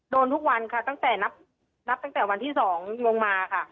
โดนทุกวันค่ะตั้งแต่วันที่๒ลงมาค่ะ